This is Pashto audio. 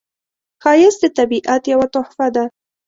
ښایست د طبیعت یوه تحفه ده